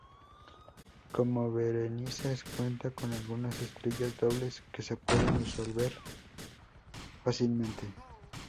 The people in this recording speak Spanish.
Coma Berenices cuenta con algunas estrellas dobles que se pueden resolver fácilmente.